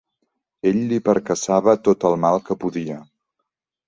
Ell li percaçava tot el mal que podia.